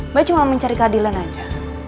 mbak cuma mencari keadilan aja